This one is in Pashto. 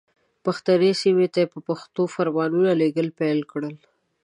پښتني سیمو ته یې په پښتو فرمانونه لېږل پیل کړل.